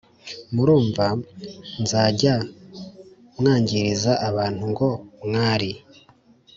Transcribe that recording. murumva mzajya mwanjyiriza abantu ngo mwari